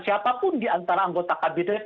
siapapun diantara anggota kabinet